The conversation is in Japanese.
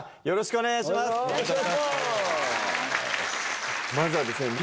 よろしくお願いします。